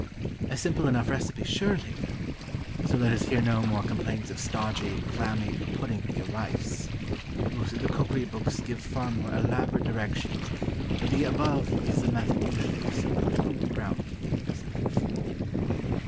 A simple enough recipe, surely? So let us hear no more complaints of stodgy, clammy, "puddingy" rice. Most of the cookery books give far more elaborate directions, but the above is the method usually pursued by the poor brown heathen himself.